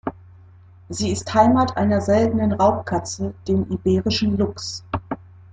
Sie ist Heimat einer seltenen Raubkatze, dem Iberischen Luchs.